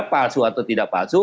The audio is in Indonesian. palsu atau tidak palsu